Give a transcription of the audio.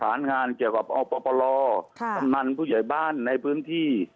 สารงานเกี่ยวกับอปลกำนันผู้ใหญ่บ้านในพื้นที่